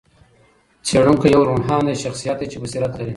څېړونکی یو روڼ اندئ شخصیت دئ چي بصیرت لري.